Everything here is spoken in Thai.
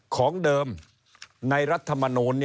ของเดิมในรัฐมนูล